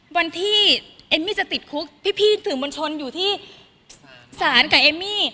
วันที่เอมมี่จะติดคุกพี่สื่อมวลชนอยู่ที่ศาลกับเอมมี่